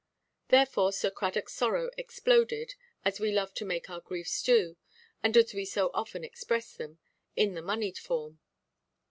Therefore Sir Cradockʼs sorrow exploded (as we love to make our griefs do, and as we so often express them) in the moneyed form.